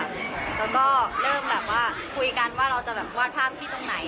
แล้วก็เริ่มแบบว่าคุยกันว่าเราจะแบบวาดภาพที่ตรงไหน